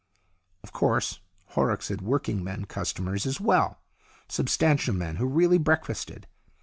Of course, Horrocks had working men customers as well, substantial men who really breakfasted.